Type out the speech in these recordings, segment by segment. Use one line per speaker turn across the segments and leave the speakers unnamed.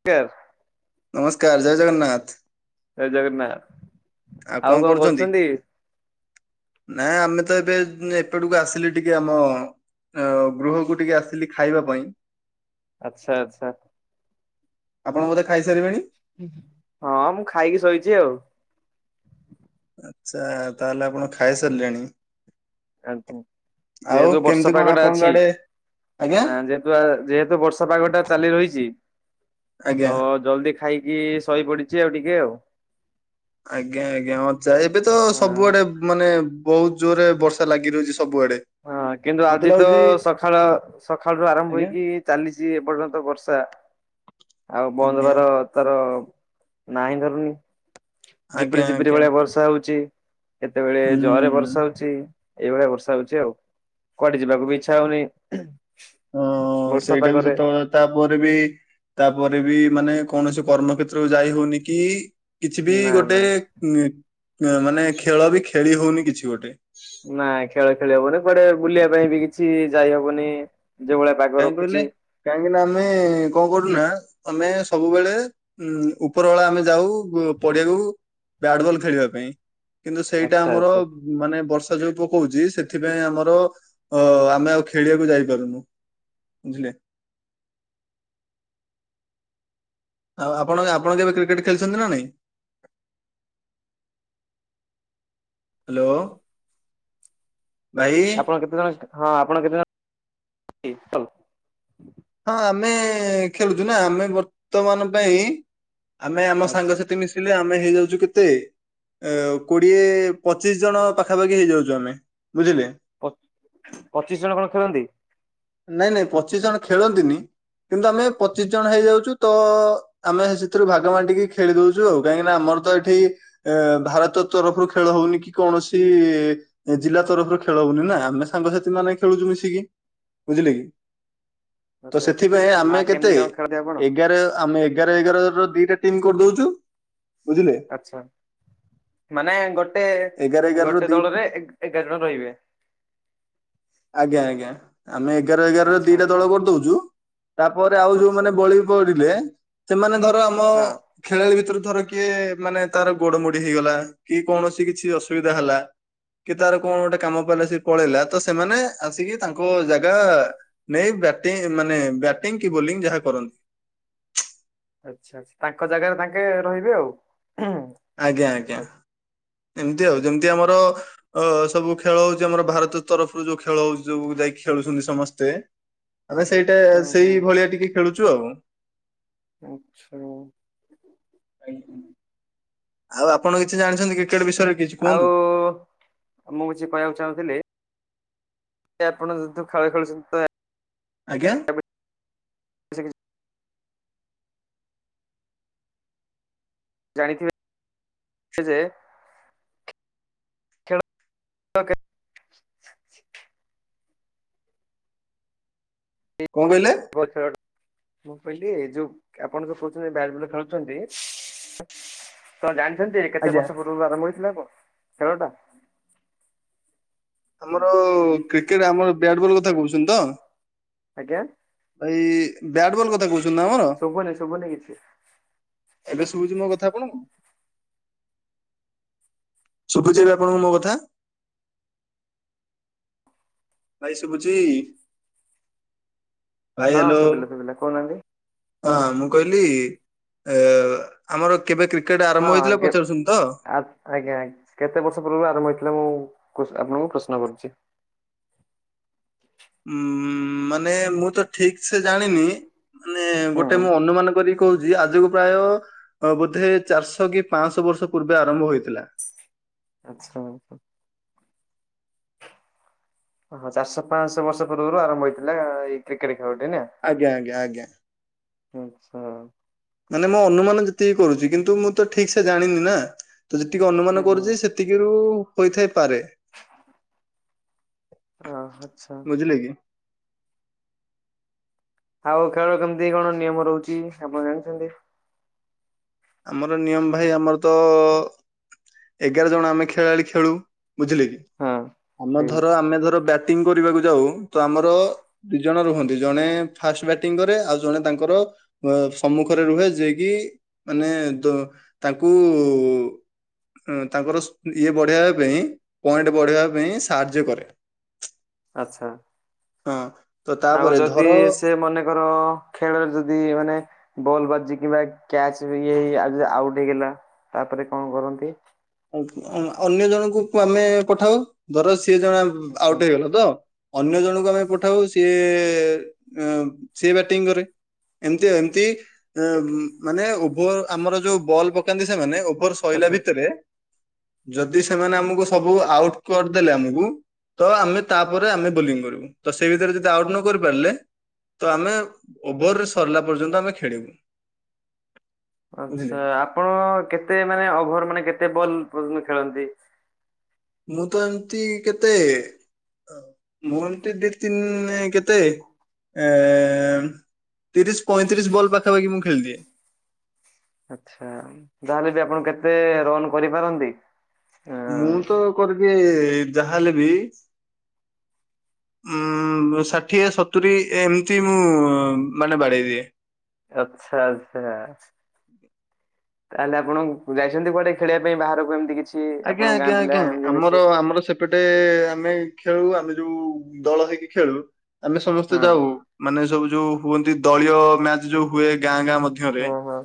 [unintelligible]
ନମସ୍କାର ଜୟ ଜଗନ୍ନାଥ।
ଏ ଜଗନ୍ନାଥ ଆଉ କଣ କରୁଛନ୍ତି।
ନାଇଁ ଆମେ ତ ଏବେ ଏପଟକୁ ଆସିଲି ଟିକେ ଆମ। ଅ ଗୃହକୁ ଟିକେ ଆସିଲି ଖାଇବା ପାଇଁ।
ଆଚଛା ଆଚ୍ଛା।
ଆପଣ ବୋଧେ ଖାଇସାରିବେଣି।
ହଁ ମୁଁ ଖାଇକି ଶୋଇଛି ଆଉ।
ଆଚ୍ଛା ତାହେଲେ ଆପଣ ଖାଇ ସାରିଲେଣି?
ଆଜ୍ଞ ଯେହେତୁ
କେମିତି
ବର୍ଷା
କଣ
ପାଗ ଟା
ଆପଣଙ୍କ
ଅଛି
ଆଡେ ଆଜ୍ଞା
ଆ ଯେହେତୁ ଯେହେତୁ ବର୍ଷା ପାଗ ଟା ଚାଲି ରହିଚି
ଆଜ୍ଞା।
ତ ଜଲଦି ଖାଇକି ସହି ପଡିଚି ଆଉ ଟିକେ ଆଉ।
ଆଜ୍ଞା ଆଜ୍ଞା ଆଛା ଏବେ ତ
ହଁ।
ସବୁଆଡେ ମାନେ ବହୁତ ଜୋରରେ ବର୍ଷା ଲାଗି ରହୁଚି ସବୁଆଡେ।
ହଁ କିନ୍ତୁ
ମତେ
ଆଜି ତ
ଲାଗୁଛି
ସଖାଳ ସଖାଳ ରୁ ଆରମ୍ଭ
ଆଜ୍ଞା
ହେଇକି ଚାଲିଚି ଏପର୍ଯ୍ୟନ୍ତ ବର୍ଷା ଆଉ ବନ୍ଦ
ଆଜ୍ଞା
ହେବାର ତାର ନାହିଁ ଧରୁନି
ଆଜ୍ଞା
ଜିପରି ଜିପରି
ଆଜ୍ଞା
ଭଳିଆ ବର୍ଷା ହଉଚି। କେତେବେଳେ ଜୋରରେ ବର୍ଷା
ହୁଁ।
ହଉଚି ଏଇଭଳିଆ ବର୍ଷା ହଉଚି ଆଉ କୁଆଡେ ଯିବାକୁ ବି ଇଚ୍ଛା ହଉନି
ଅ
ବର୍ଷା
ସେଇଟା ବି
ପାଗରେ।
ସତ କଥା ତାପରେ ବି ତାପରେ ବି ମାନେ କୌଣସି କର୍ମ କ୍ଷେତ୍ରକୁ ଯାଇ ହଉନି କି କିଛି ବି
ନା
ଗୋଟେ
ନା
ଉ ଉ ମାନେ ଖେଳ ବି ଖେଳି ହଉନି କିଛି ଗୋଟେ।
ନାଇ ଖେଳ ଖେଳି ହବନି କୁଆଡେ ବୁଲିବା ପାଇଁ ବି କିଛି ଯାଇ ହବନି। ଯୋଉ ଭଳିଆ ପାଗ
କାହିଁ କହିଲେ
ରଖୁଛି
କାହିଁକିନା ଆମେ କଣ କରୁନା ଆମେ ସବୁବେଳେ ଉଁ ଉପର ବେଳା ଆମେ ଯାଉ ପଡିଆକୁ ବ୍ୟାଟବଲ୍ ଖେଳିବା ପାଇଁ। କିନ୍ତୁ ସେଇଟା
ଆଚ୍ଛା
ଆମର
ଆଚ୍ଛା
ମାନେ ବର୍ଷା ଯୋଉ ପକଉଚି ସେଥିପାଇଁ ଆମର ଅ ଆମେ ଆଉ ଖେଳିବାକୁ ଯାଇପାରୁନୁ। ବୁଝିଲେ? ଆଉ ଆପଣ ଆପଣ କେବେ କ୍ରିକେଟ ଖେଳିଚନ୍ତି ନା ନାଇଁ? ହାଲୋ।
ଆପଣ କେତେ ଜଣ ହଁ ଆପଣ କେତେ ଜଣ [unintelligible]
ହଁ ଆମେ ଖେଳୁଚୁ ନା ଆମେ ବର୍ତ୍ତମାନ ପାଇଁ ଆମେ ଆମ ସାଙ୍ଗସାଥି ମିଶ ଆମେ ହେଇଯାଉଚୁ କେତେ ଏ କୋଡିଏ ପଚିଶ ଜଣ ପାଖାପାଖି ହେଇଯାଉଚୁ ଆମେ ବୁଝିଲେ।
ପଚିଶ ଜଣ କଣ ଖେଳନ୍ତି?
ନାଇଁ ନାଇଁ ପଚିଶ ଜଣ ଖେଳନ୍ତିନି କିନ୍ତୁ ଆମେ ପଚିଶ ଜଣ ହେଇଯାଉଚୁ ତ ଆମେ ସେଥିରୁ ଭାଗ ବାଣ୍ଟିକି ଖେଳି ଦଉଚୁ ଆଉ କାହିଁକି ନା ଆମର ତ ଏଠି ଏ ଭାରତ ତରଫରୁ ଖେଳ ହଉନି କି କୌଣସି ଏ ଜିଲ୍ଲା ତରଫରୁ ଖେଳ ହଉନି ନା ଆମେ ସାଙ୍ଗସାଥି ମାନେ ଖେଳୁଚୁ ମିଶିକି ବୁଝିଲେ କି? ତ
ଆଚ୍ଛା ଆଚ୍ଛା
ସେଥିପାଇଁ ଆମେ
ଆ
କେତେ
କେମିତି କଣ ଖେଳନ୍ତି ଆପଣ?
ଏଗାର ଆମେ ଏଗାର ଏଗାର ର ଦିଟା ଟିମ୍ କରିଦଉଚୁ।
ଆଛା ମାନେ ଗୋଟେ
ଏଗାର ଏଗାର ର
ଗୋଟେ
ଦି
ଦଳରେ ଏଗାର ଜଣ ରହିବେ।
ଆଜ୍ଞା ଆଜ୍ଞା ଆମେ ଏଗାର ଏଗାରରେ
ଆଚ୍ଛା
ଦି
ଆଚ୍ଛା
ଦଳ କରି ଦଉଚୁ ତାପରେ ଆଉ
ଆଚ୍ଛା
ଯୋଉମାନେ ବଳି ପଡିଲେ ସେମାନେ ଧର ର ଆମ
ହଁ
ଖେଳାଳି ଭିତରେ ଧର କିଏ ମାନେ ତାର ଗୋଡ ମୋଡି ହେଇଗଲା କି କୌଣସି କିଛି ଅସୁବିଧା ହେଲା କି ତାର କଣ ଗୋଟେ କାମ ପାଇଲା ସେ ପଳେଇଲା ତ ସେମାନେ ଆସିକି ତାଙ୍କ ଜାଗା ନାଇଁ ବ୍ୟାଟିଂ ମାନେ ବ୍ୟାଟିଂ କି ବୋଲିଂ ଯାହା କରନ୍ତି।
ଆଚ୍ଛା ଆଛା ତାଙ୍କ ଜାଗାରେ ତାଙ୍କେ ରହିବେ ଆଉ।
ଆଜ୍ଞା ଆଜ୍ଞା
ଆଚ୍ଛା
ଏମିତି ଆଉ ଯେମିତି ଆମର ଅ ସବୁ ଖେଳ ହଉଚି ଆମର ଭାରତ ତରଫରୁ ଯୋଉ ଖେଳ ହଉଚି ଯୋଉ ଯାଇକି ଖେଳୁଚନ୍ତି ସମସ୍ତେ ଆମେ ସେଇଟା
ହୁଁ ହୁଁ
ସେଇ ଭଳିଆ ଟିକେ ଖେଳୁଚୁ ଆଉ।
ଆଛା।
ଆଉ ଆପଣ କିଛି ଜାଣିଚନ୍ତି କ୍ରିକେଟ ବିଷୟରେ?? କିଛି
ଆଉ
କୁହନ୍ତୁ
ମୁଁ କିଛି କହିବାକୁ ଚାହୁଁଥିଲି ତେ ଆପଣ ଯେହେତୁ ଖେଳ ଖେଳୁଚନ୍ତି ତ
ଆଜ୍ଞା।
ୟା ବିଷୟରେ କିଛି ଜାଣିଥିବେ ଯେ ତ କେ
କଣ କହିଲେ?
ବଛଡ଼ [unintelligible] ମୁଁ କହିଲି ଏ ଯୋଉ ଆପଣ ଯୋଉ କହୁଛନ୍ତି ବ୍ୟାଟ ବଲ ଖେଳୁଛନ୍ତି ତ ଜାଣିଛନ୍ତି କେତେ
ଆଜ୍ଞା।
ବର୍ଷ ପୂର୍ବରୁ ଆରମ୍ଭ ହେଇଥିଲା ଆବ ଖେଳ ଟା?
ଆମର କ୍ରିକେଟ ଆମର ବ୍ୟାଟ୍ ବଲ୍ କଥା କହୁଛନ୍ତି ତ?
ଆଜ୍ଞା।
ଭାଇ ବ୍ୟାଟ ବଲ କଥା କହୁଛନ୍ତି ନା ଆମର?
ଶୁଭୁନି ଶୁଭୁନି କିଛି
ଏବେ ଶୁଭୁଛି ମୋ କଥା ଆପଣଙ୍କୁ? ଶୁଭୁଚି ଏବେ ଆପଣଙ୍କୁ ମୋ କଥା? ଭାଇ ଶୁବୁଚି ଭାଇ
ହଁ
ହ୍ୟାଲୋ?
ଶୁଭିଲା ଶୁଭିଲା କହୁନାହାନ୍ତି
ହଁ ମୁଁ କହିଲି ଏ ଆମର କେବେ କ୍ରିକେଟ ଆରମ୍ଭ ହେଇଥିଲା
ହଁ କେ
ପଚାରୁସଛନ୍ତି ତ?
ଆ ଆଜ୍ଞା ଆ କେତେ ବର୍ଷ ପୂର୍ବରୁ ଆରମ୍ଭ ହେଇଥିଲା ମୁଁ କୋ ଆପଣଙ୍କୁ ପ୍ରଶ୍ନ କରୁଛି?
ଉଁ ମାନେ ମୁଁ ତ ଠିକି ସେ ଜାଣିନି। ମାନେ
ହୁଁ
ଗୋଟେ ମୁଁ ଅନୁମାନ କରିକି କହୁଚି ଆଜିକୁ ପ୍ରାୟ ଅ ବୋଧେ ଚାରିଶହ କି ପାଞ୍ଚଶହ ବର୍ଷ ପୂର୍ବେ ଆରମ୍ଭ ହୋଇଥିଲା।
ଆଛା। ହଁ ଚାରିଶ ପାଞ୍ଚଶହ ବର୍ଷ ପୂର୍ବରୁ ଆରମ୍ଭ ହେଇଥିଲା ଏଇ କ୍ରିକେଟ ଖେଳଟେ ନା?
ଆଜ୍ଞା ଆଜ୍ଞା ଆଜ୍ଞା।
ଆଛା।
ମାନେ ମୋ ଅନୁମାନ ଯେତିକି କରୁଚି କିନ୍ତୁ ମୁଁ ତ ଠିକି ସେ ଜାଣିନି ନା। ତ ଯେତିକି ଅନୁମାନ
ହୁଁ ହୁଁ
କରୁଚି ସେତିକି ରୁ ହୋଇଥାଇପାରେ।
[inaudible]
[unintelligible]
ଅ ହାଚ୍ଛା।
ବୁଝିଲେ କି?
ଆଉ ଖେଳ କେମିତି କଣ ନିୟମ ରହୁଚି ଆପଣ ଜାଣିଛନ୍ତି?
ଆମର ନିୟମ ଭାଇ ଆମର ତ ଏଗାର ଜଣ ଆମେ ଖେଳାଳି ଖେଳୁ ବୁଝିଲେ କି
ହଁ
ଆମ
ଆଜ୍ଞା
ଧର ଆମେ ଧର ବ୍ୟାଟିଙ୍ଗି କରିବାକୁ ଯାଉ ତ ଆମର ଦି ଜଣ ରୁହନ୍ତି ଜଣେ ଫାଷ୍ଟ ବ୍ୟାଟିଂ କରେ ଆଉ ଜଣେ ତାଙ୍କର ସମ୍ମୁଖରେ ରୁହେ ଯିଏକି ମାନେ ତାଙ୍କୁ ତାଙ୍କର ଇଏ ବଢ଼େଇବା ପାଇଁ ପଏଣ୍ଟ ବଢ଼େଇବା ପାଇଁ ସାହାଯ୍ୟ କରେ।
ଆଛା
ହଁ ତ
ଆଉ
ତାପରେ
ଯଦି
ଧର
ସେ ମନେ ଧର ଖେଳରେ ଯଦି ମାନେ ବଲ୍ ବାଜି କିମ୍ବା କ୍ୟାଚ ହେଇକି ଆ ଆଉଟୁ ହେଇଗଲା ତାପରେ କଣ କରନ୍ତି?
ଅନ୍ୟ ଜଣଙ୍କୁ ଆମେ ପଠାଉ ଧର ସିଏ ଜଣ ଆଉଟ୍ ହେଇଗଲା ତ ଅନ୍ୟ ଜଣଙ୍କୁ ଆମେ ପଠାଉ ସିଏ ସିଏ ବ୍ୟାଟିଂ କରେ। ଏମିତି ଏମିତି ମାନେ ଓଭର ଆମର ଯୋଉ ବଲ୍ ପକାନ୍ତି ସେମାନେ ଓଭର ପଇଲା
ଆଚ୍ଛା।
ଭିତରେ ଯଦି ସେମାନେ ଆମକୁ ସବୁ ଆଉଟୁ କରିଦେଲେ ଆମକୁ ତ ଆମେ ତାପରେ ଆମେ ବୋଲିଂ କରିବୁ ତ ସେ ଭିତରେ ଯଦି ଆଉଟ୍ ନ କରି ପାରିଲେ ତ ଆମେ ଓଭର ସରିଲା ପର୍ଯ୍ୟନ୍ତ ଆମେ ଖେଳିବୁ। ବୁଝିଲେ
ଆଚ୍ଛା ଆପଣ କେତେ ମାନେ ଓଭର ମାନେ କେତେ ବଲ ପର୍ଯ୍ୟନ୍ତ ଖେଳନ୍ତି?
ମୁଁ ତ ଏମିତି କେତେ ଅ ମୁଁ ଏମିତି ଦି ତିନି କେତେ ଏ ତିରିଶ ପଇଁତିରିଶ ବଲ୍ ପାଖାପାଖି ମୁଁ ଖେଳିଦିଏ।
ଆଚ୍ଛା ଯାହା ହେଲେ ବି ଆପଣ କେତେ ରନ କରିପାରନ୍ତି?
ମୁଁ ତ କରିଦିଏ ଯାହା ହେଲେ ବି ଉଁ ଷାଠିଏ ସତୁରି ଏମିତି ମୁଁ ମାନେ ବାଡ଼େଇଦିଏ।
ଆଚ୍ଛା ଆଚ୍ଛା ଛ। ତାହେଲେ ଆପଣଙ୍କୁ ଯାଇଛନ୍ତି କୁଆଡେ ଖେଳିବା ପାଇଁ ବାହାରକୁ ଏମିତି କିଛି?
ଆଜ୍ଞା
ଆପଣଙ୍କ ଗାଁ
ଆଜ୍ଞା
ପିଲା
ଆଜ୍ଞା
ଏମିତି ମିଶି?
ଆମର ଆମର ସେ ପଟେ ଆମେ ଖେଳୁ ଆମେ ଯୋଉ ଦଳ ହେଇକି ଖେଳୁ ଆମେ ସମସ୍ତେ
ହଁ।
ଯାଉ ମାନେ ସବୁ ଯୋଉ ହୁଅନ୍ତି ଦଳୀୟ ମ୍ୟାଚ ଯୋଉ ହୁଏ ଗାଁ ଗାଁ ମଧ୍ୟରେ
ହଁ ହଁ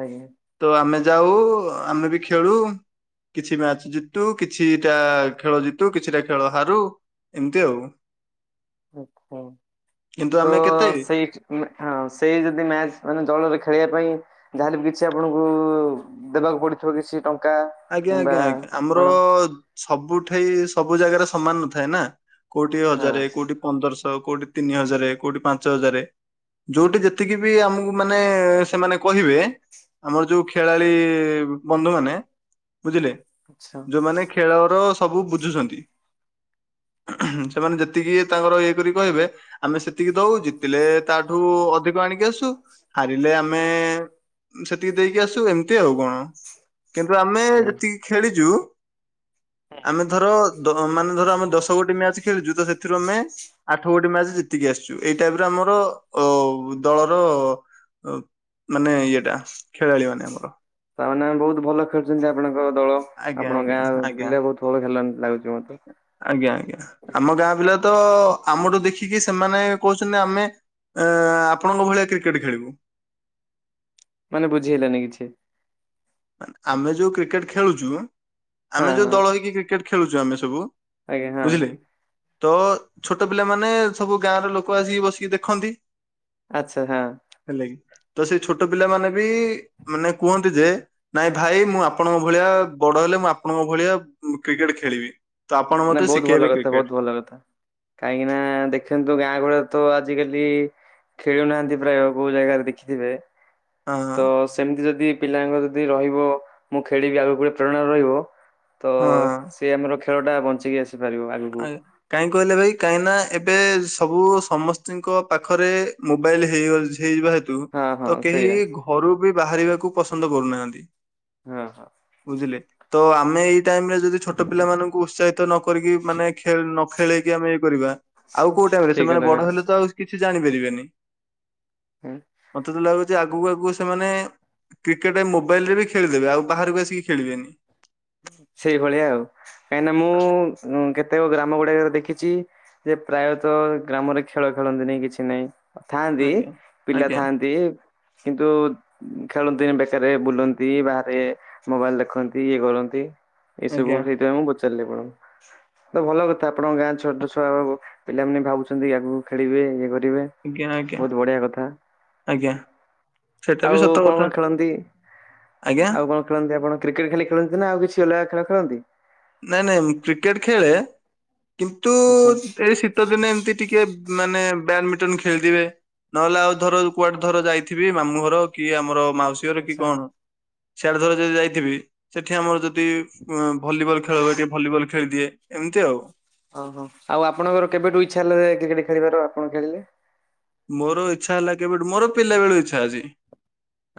ଆଜ୍ଞା
ତ ଆମେ ଯାଉ ଆମେ ବି ଖେଳୁ। କିଛି ମ୍ୟାଚ ଜିତୁ କିଛିଟା ଖେଳ ଜିତୁ କିଛିଟା ଖେଳ ହାରୁ। ଏମିତି ଆଉ।
ଆଚ୍ଛା
କିନ୍ତୁ
ତ
ଆମେ କେତେ
ସେଇଠି ଉଁ ହଁ ସେଇ ଯଦି ମ୍ୟାଚ ମାନେ ଦଳରେ ଖେଳିବା ପାଇଁ ଯାହାହେଲେ ବି କିଛି ଆପଣଙ୍କୁ ଦେବାକୁ ପଡିଥିବ କିଛି ଟଙ୍କା?
ଆଜ୍ଞା
କିମ୍ବା
ଆଜ୍ଞା ଆଜ୍ଞା ଆମର
କଣ
ସବୁଠେଇ ସବୁ ଜାଗାରେ ସମାନ ନଥାଏ ନା? କୋଉଠି
ହଁ
ହଜାରେ କୋଉଠି ପନ୍ଦରଶହ କୋଉଠି ତିନି ହଜାରେ କୋଉଠି ପାଞ୍ଚ ହଜାରେ ଯୋଉଠି ଯେତିକି ବି ଆମକୁ ମାନେ ସେମାନେ କହିବେ ଆମର ଯୋଉ ଖେଳାଳି ବନ୍ଧୁ ମାନେ ବୁଝିଲେ
ଆଚ୍ଛା
ଯୋଉମାନେ ଖେଳର ସବୁ ବୁଝୁଛନ୍ତି। ହୁଁ ସେମାନେ ଯେତିକି ତାଙ୍କର ଇଏ କରି କହିବେ ଆମେ ସେ ଜେତିକି ଦଉ ଜିତିଲେ ତାଠୁ ଅଧିକ ଆଣିକି ଆସୁ ହାରିଲେ ଆମେ ସେତିକି ଦେଇକି ଆସୁ ଏମିତି ଆଉ କଣ କିନ୍ତୁ ଆମେ
ହୁଁ।
ଯେତିକି ଖେଳିଛୁ [inaudible] ଆମେ ଧର ଦ ମାନେ ଧର ଆମେ ଦଶ ଗୋଟି ମ୍ୟାଚ ଖେଳିଛୁ ତ ସେଥିରୁ ଆମେ ଆଠ ଗୋଟି ମ୍ୟାଚ ଜି ଜିତିକି ଆସିଛୁ ଏଇ ଟାଇପ୍ ର ଆମର ଅ ଦଳର ଅ ମାନେ ଇଏଟା ଖେଳାଳି ମାନେ ଆମର।
ତା ମାନେ ବହୁତ ଭଲ ଖେଳୁଛନ୍ତି ଆପଣଙ୍କ ଦଳ?
ଆଜ୍ଞା ଆଜ୍ଞା
ଆପଣଙ୍କ ଗାଁ
ଆଜ୍ଞା।
ପିଲା ବହୁତ ଭଲ ଖେଲନ୍ତି ଲାଗୁଛି ମତେ।
ଆଜ୍ଞା ଆଜ୍ଞା ଆମ ଗାଁ ପିଲା ତ ଆମଠୁ ଦେଖିକି ସେମାନେ କହୁଛନ୍ତି ଆମେ ଏ ଆପଣଙ୍କ ଭଳିଆ କ୍ରିକେଟ ଖେଳିବୁ।
ମାନେ ବୁଝି ହେଲାନି କିଛି?
ମାନେ ଆମେ ଯୋଉ କ୍ରିକେଟ ଖେଳୁଛୁ
ହଁ
ଆମେ ଯୋଉ
ହଁ
ଦଳ ହେଇକି କ୍ରିକେଟ ଖେଳୁଛୁ ଆମେ ସବୁ
ଆଜ୍ଞା ହଁ
ବୁଝିଲେ? ତ ଛୋଟ ପିଲାମାନେ ସବୁ ଗାଁ ର ଲୋକ ଆସିକି ବସିକି ଦେଖନ୍ତି।
ଆଚ୍ଛା ହଁ।
ହେଲା କିି ତ ସେଇ ଛୋଟ ପିଲା ମାନେ ବି ମାନେ କୁହନ୍ତି ଯେ ନାଇଁ ଭାଇ ମୁଁ ଆପଣଙ୍କ ଭଳିଆ ବଡ ହେଲେ ମୁଁ ଆପଣଙ୍କ ଭଳିଆ କ୍ରିକେଟ ଖେଳିବି। ତ ଆପଣ
ନା
ମତେ
ବହୁତ ଭଲ
ଶିକେଇବେ
କଥା ବହୁତ
କ୍ରିକେଟ।
ଭଲ କଥା। କାହିଁକି ନା ଦେଖନ୍ତୁ ଗାଁ ଗହଳିରେ ତ ଆଜିକାଲି ଖେଳୁନାହାନ୍ତି ପ୍ରାୟ ବହୁ ଜାଗାରେ ଦେଖିଥିବେ
ହଁ
ତ ସେମିତି ଯଦି ପିଲାଙ୍କ ଯଦି ରହିବ ମୁଁ ଖେଳିବି ଆଗକୁ ଗୋଟେ ପ୍ରେରଣା ରହିବ ତ
ହଁ
ସେ ଆମର ଖେ ଖେଳ ଟା ବଞ୍ଚିକି ଆସିପାରିବ
ଆ
ଆଗକୁ।
କାହିଁ କହିଲେ ଭାଇ କାହିଁକିନା ଏବେ ସବୁ ସମସ୍ତିଙ୍କ ପାଖରେ ମୋବାଇଲ୍ ହେଇଅ ହେଇଯିବା ହେତ
ହଁ ହଁ
ତୁ କେହି
ସେଇଆ
ଘରୁ ବି ବାହାରିବାକୁ ପସନ୍ଦ କରୁନାହାନ୍ତି।
ହଁ, ହଁ।
ବୁଝିଲେ ତ ଆମେ ଏଇ ଟାଇମ୍ ରେ ଯଦି ଛୋଟ ପିଲାମାନଙ୍କୁ ଉତ୍ସାହିତ ନ କରିକି ମାନେ ଖେଳ ନ ଖେଳେଇକି ଆମେ ଇଏ କରିବା, ଆଉ
ସେ-
କୋଉ ଟାଇମ୍ ରେ
ଠିକ
ସେମାନେ
କଥା
ବଡ
କହିଲେ
ହେଲେ ତ ଆଉ କିଛି ଜାଣିପାରିବେନି।
ହଁ।
ମୋତେ ତ ଲାଗୁଛି ଆଗକୁ ଆଗକୁ ସେମାନେ କ୍ରିକେଟ୍ ମୋବାଇଲ୍ ରେ ବି ଖେଳିଦେବେ ଆଉ ବାହାରକୁ ଆସିକି ଖେଳିବେନି।
ସେଇଭଳିଆ ଆଉ କାହିଁକିନା ମୁଁ ଉଁ, କେତେକ ଗ୍ରାମ ଗୁଡାକରେ ଦେଖିଛି ଯେ ପ୍ରାୟତ ଗ୍ରାମରେ ଖେଳ ଖେଳନ୍ତିନି କିଛି ନାହିଁ। ହଁ ଥାଆନ୍ତି
ଆଜ୍ଞା
ପିଲା
ଆଜ୍ଞା
ଥାଆନ୍ତି। କିନ୍ତୁ ଖେଳନ୍ତିନି ବେକାରେ ବୁଲନ୍ତି ବାହାରେ, ମୋବାଇଲ୍ ଦେଖନ୍ତି ଇଏ କରନ୍ ତି ଏଇ
ଆଜ୍ଞା
ସବୁ ସେଇଥିପାଇଁ ମୁଁ ପଚାରିଲି ଆପଣଙ୍କୁ। ତ ଭଲ କଥା ଆପଣଙ୍କ ଗାଁ ଛୋଟ ଛୁଆ ପିଲାମାନେ ଭାବୁଛନ୍ତି ଆଗକୁ ଖେଳିବେ ଇଏ କରିବେ।
ଆଜ୍ଞା ଆଜ୍ଞା
ବହୁତ ବଢିଆ କଥା।
ଆଜ୍ଞା ସେଟା ବି
ଆଉ
ସତ
କଣ
କଥା
କଣ ଖେଳନ୍ତି?
ଆଜ୍ଞା
ଆଉ କଣ ଖେଳନ୍ତି, ଆପଣ କ୍ରିକେଟ୍ ଖାଲି ଖେଳନ୍ତି ନା ଆଉ କିଛି ଅଲଗା ଖେଳ ଖେଳନ୍ତି?
ନାଇଁ ନାଇଁ ମୁଁ କ୍ରିକେଟ୍ ଖେଳେ, କିନ୍ତୁ
ଆଚ୍ଛା
ଏଇ ଶୀତ ଦିନ ଏମିତି ଟିକେ ମାନେ ବ୍ୟାଡମିଣ୍ଟନ ଖେଳିଦିଏ। ନହେଲେ ଆଉ ଧର କୁଆଡେ ଧର ଯାଇଥିବି ମାମୁଁ ଘର କି ଆମର ମାଉସୀ ସୀ ଘର କି
ଆଚ୍ଛା
କଣ, ସିଆଡେ ଧର ଯଦି ଯାଇଥିବି ସେଠି ଆମର ଯଦି ଅଁ, ଭଲିବଲ ଖେଳ [unintelligible] ଟିକେ ଭଲିବଲ ଖେଳିଦିଏ ଏମିତି ଆଉ।
ଓହୋ, ଆଉ ଆପଣଙ୍କର କେବେଠୁ ଇଚ୍ଛା ହେଲା ଯେ କ୍ରିକେଟ୍ ଖେଳିବାର ଆପଣ ଖେଳିଲେ?
ମୋର ଇଚ୍ଛା ହେଲା କେବେଠୁ, ମୋର ପିଲାବେଳୁ ଇଚ୍ଛା ଅଛି।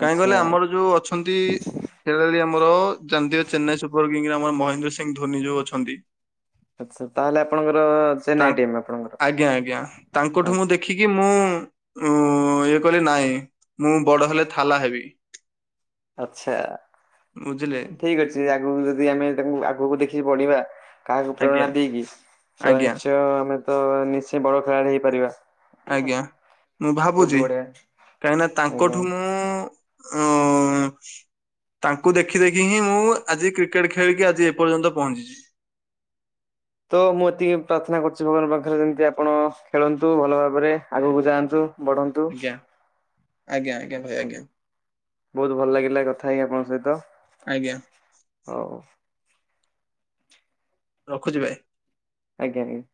କାହିଁ
ଆଚ୍ଛା
କହିଲେ ଆମର ଯୋଉ ଅଛନ୍ତି ଖେଳାଳି ଆମର ଜାଣିଥିବେ ଚେନ୍ନାଇ ସୁପର କିଙ୍ଗର ଆମର ମହେନ୍ଦ୍ର ସିଂହ ଧୋନି ଯୋଉ ଅଛନ୍ତି।
ଆଚ୍ଛା ତାହେଲେ ଆପଣଙ୍କର ଚେନ୍ନାଇ ଟିମ୍ ଆପଣଙ୍କର
ତାଙ୍କ ଆଜ୍ଞା ଆଜ୍ଞା ତାଙ୍କଠୁ ମୁଁ
ଆଚ୍ଛା।
ଦେଖି କି ମୁଁ ଉଁ, ଇଏ କଲି ନାଇଁ, ମୁଁ ବଡ ହେଲେ ଥାଲା ହେବି।
ଆଛା,
ବୁଝିଲେ
ଠିକ ଅଛି ଆଗକୁ ଯଦି ଆମେ ତାଙ୍କୁ ଆଗକୁ ଦେଖିକି ବଢ଼ିବା। କାହାକୁ
ଆଜ୍ଞା
ପ୍ରେରଣା ଦେଇକି ତ
ଆଜ୍ଞା
ନିଶ୍ଚୟ ଆମେ ତ ନିଶ୍ଚୟ ବଡ ଖେଳାଳି ହେଇପାରିବା।
ଆଜ୍ଞା, ମୁଁ
ବହୁତ
ଭାବୁଛି
ବଢିଆ
କାହିଁକିନା
ଆଜ୍ଞା।
ତାଙ୍କଠୁ ମୁଁ ଅଁ, ତାଙ୍କୁ ଦେଖି ଦେଖିକି ହିଁ ମୁଁ ଆଜି କ୍ରିକେଟ୍ ଖେଳିକି ଆଜି ଏ ପର୍ଯ୍ୟନ୍ତ ପହଞ୍ଚିଛି।
ତ ମୁଁ ଏତିକି ପ୍ରାର୍ଥନା କରୁଛି ଭଗବାନଙ୍କ ପାଖରେ ଯେମିତି ଆପଣ ଖେଳନ୍ତୁ ଭଲ ଭାବରେ ଆଗକୁ ଯାଆନ୍ତୁ। ବଢନ୍ତୁ
ଆଜ୍ଞା, ଆଜ୍ଞା, ଆଜ୍ଞା।
ଆଜ୍ଞା, ବହୁତ ଭଲ ଲାଗିଲା କଥା ହେଇ ଆପଣଙ୍କ ସହିତ
ଆଜ୍ଞା
ହଉ।
ରଖୁଛି ଭାଇ।
ଆଜ୍ଞା, ଆଜ୍ଞା।